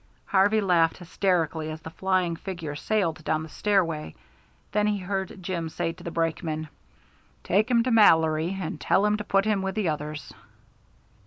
Harvey laughed hysterically as the flying figure sailed down the stairway, then he heard Jim say to the brakemen, "Take him to Mallory, and tell him to put him with the others."